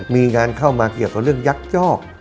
มีงานเข้ามาเกี่ยวกับเรื่องยักยอก